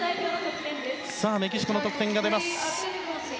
メキシコの得点が出ました。